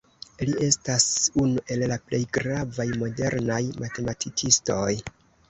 Li estas unu el la plej gravaj modernaj matematikistoj.